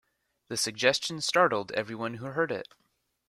The suggestion startled every one who heard it.